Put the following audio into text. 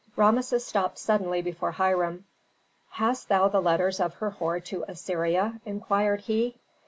Rameses stopped suddenly before Hiram. "Hast thou the letters of Herhor to Assyria?" inquired he.